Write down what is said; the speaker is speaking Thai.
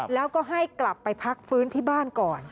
แล้วก็ให้กลับไปพักฟื้นที่บ้านก่อน